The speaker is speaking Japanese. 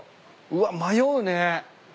うわ迷うね。